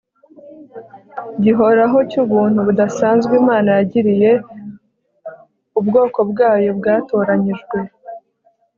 gihoraho cy'ubuntu budasanzwe imana yagiriye ubwoko bwayo bwatoranyijwe